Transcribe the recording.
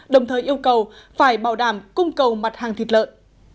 đồng thời yêu cầu phải bảo đảm cung cầu mặt hàng thịt lợn